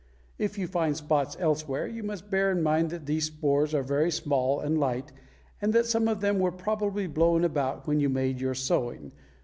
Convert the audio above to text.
If you find spots elsewhere, you must bear in mind that these spores are very small and light and that some of them were probably blown about when you made your sowing.